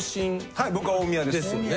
はい僕は大宮です。ですよね。